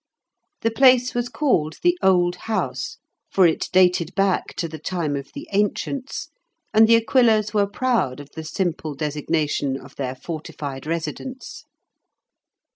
The place was called the Old House, for it dated back to the time of the ancients, and the Aquilas were proud of the simple designation of their fortified residence.